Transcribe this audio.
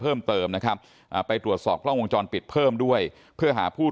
แต่มันถือปืนมันไม่รู้นะแต่ตอนหลังมันจะยิงอะไรหรือเปล่าเราก็ไม่รู้นะ